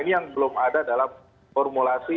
ini yang belum ada dalam formulasi